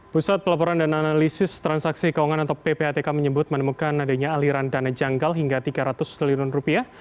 pusat pelaporan dan analisis transaksi keuangan atau ppatk menyebut menemukan adanya aliran dana janggal hingga tiga ratus triliun rupiah